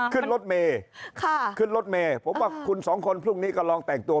ขึ้นรถเมย์ขึ้นรถเมย์ผมว่าคุณสองคนพรุ่งนี้ก็ลองแต่งตัว